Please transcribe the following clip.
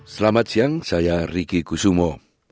selamat siang saya riki kusumo